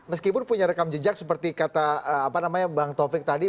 meskipun punya rekam jejak seperti kata bang taufik tadi